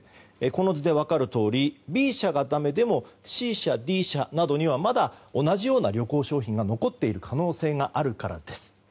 この図で分かるとおりＢ社でだめでもＣ社、Ｄ社などにはまだ同じような旅行商品が残っている可能性があるからです。